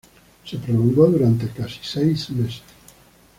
Se prolongó durante casi seis meses.